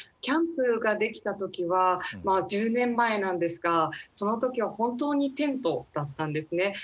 キャンプが出来た時はまあ１０年前なんですがその時は本当にテントだったんですね。